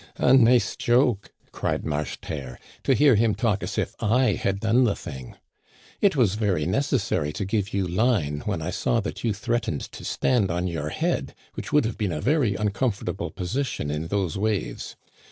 A nice joke," cried Marcheterre; "to hear him talk as if I had done the thing ! It was very necessary to give you line when I saw that you threatened to stand on your head, which would have been a very un comfortable position in those waves.